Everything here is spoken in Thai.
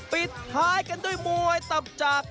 ปิดท้ายกันด้วยมวยตับจาก